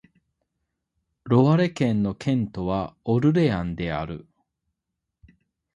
ロワレ県の県都はオルレアンである